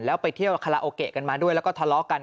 แล้วไปเที่ยวคาราโอเกะกันมาด้วยแล้วก็ทะเลาะกัน